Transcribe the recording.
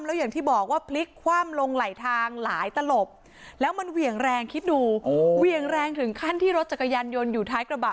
แล้วอย่างที่บอกว่าพลิกคว่ำลงไหลทางหลายตลบแล้วมันเหวี่ยงแรงคิดดูเหวี่ยงแรงถึงขั้นที่รถจักรยานยนต์อยู่ท้ายกระบะ